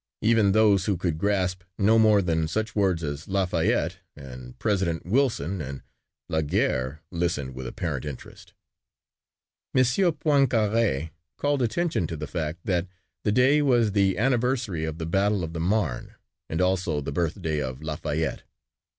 Even those who could grasp no more than such words as "Lafayette" and "President Wilson" and "la guerre" listened with apparent interest. M. Poincaré called attention to the fact that the day was the anniversary of the Battle of the Marne and also the birthday of Lafayette.